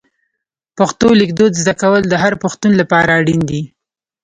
پښتو لیکدود زده کول د هر پښتون لپاره اړین دي.